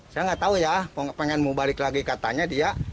saya nggak tahu ya pengen mau balik lagi katanya dia